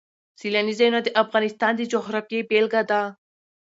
سیلانی ځایونه د افغانستان د جغرافیې بېلګه ده.